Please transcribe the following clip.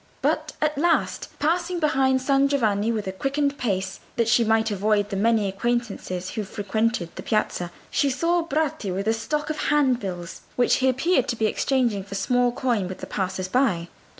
But at last, passing behind San Giovanni with a quickened pace that she might avoid the many acquaintances who frequented the piazza, she saw Bratti with a stock of handbills which he appeared to be exchanging for small coin with the passers by.